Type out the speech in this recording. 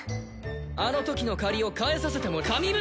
あの時の借りを返させてもらうよ。